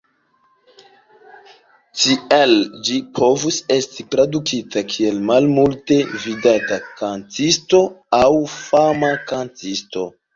Tiele ĝi povus esti tradukita kiel "malmulte vidata kantisto" aŭ "fama kantisto".